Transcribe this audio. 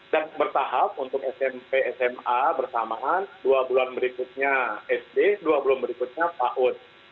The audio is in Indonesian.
dan bertahap untuk smp sma bersamaan dua bulan berikutnya sd dua bulan berikutnya paud